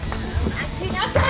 待ちなさい！